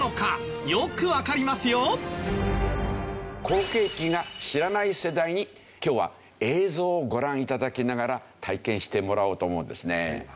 好景気を知らない世代に今日は映像をご覧頂きながら体験してもらおうと思うんですね。